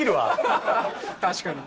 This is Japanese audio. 確かに！！